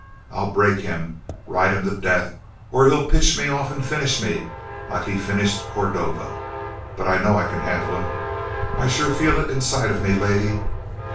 I'll break him, ride him to death, or he'll pitch me off and finish me liked he finished Cordova. But I know I can handle him. I sure feel it inside of me, lady!